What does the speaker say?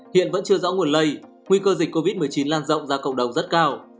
hiện vẫn chưa rõ nguồn lây nguy cơ dịch covid một mươi chín lan rộng ra cộng đồng rất cao